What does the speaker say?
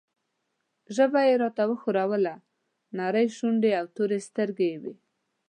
ژبه یې راته وښوروله، نرۍ شونډې او تورې سترګې یې وې.